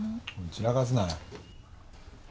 散らかすなよ。